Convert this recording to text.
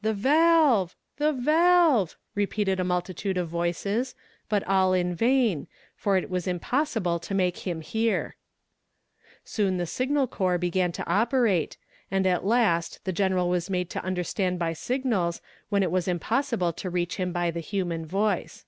"The valve the valve!" repeated a multitude of voices, but all in vain, for it was impossible to make him hear. Soon the signal corps began to operate, and at last the general was made to understand by signals when it was impossible to reach him by the human voice.